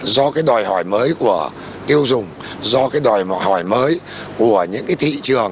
do cái đòi hỏi mới của tiêu dùng do cái đòi hỏi mới của những cái thị trường